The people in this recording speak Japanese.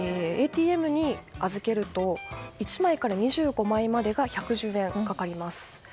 ＡＴＭに預けると１枚から２５枚までが１１０円かかります。